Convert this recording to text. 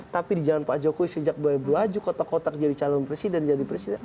tapi di jalan pak jokowi sejak berlaju kotak kotak jadi calon presiden jadi presiden